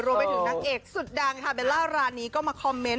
รวมไปถึงนางเอกสุดดังค่ะเบลล่ารานีก็มาคอมเมนต